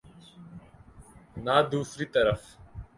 نہ دوسری طرف۔